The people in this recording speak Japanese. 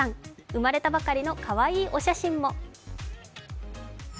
生まれたばかりのかわいいお写真も。